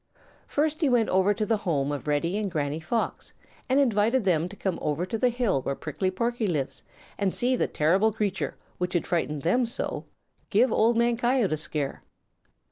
First he went over to the home of Reddy and Granny Fox and invited them to come over to the hill where Prickly Porky lives and see the terrible creature which had frightened them so give Old Man Coyote a scare.